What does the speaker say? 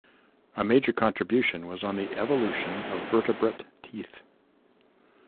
A major contribution was on the evolution of vertebrate teeth.